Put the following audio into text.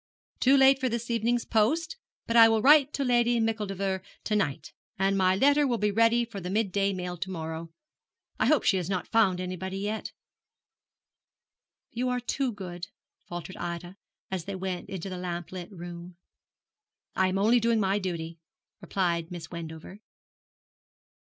'Too late for this evening's post; but I will write to Lady Micheldever to night, and my letter will be ready for the midday mail to morrow. I hope she has not found anybody yet.' 'You are too good,' faltered Ida, as they went into the lamplit room. 'I am only doing my duty,' replied Miss Wendover.